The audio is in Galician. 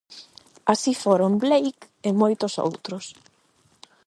Así foron Blake e moitos outros.